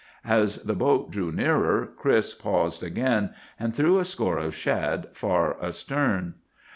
"As the boat drew nearer, Chris paused again, and threw a score of shad far astern.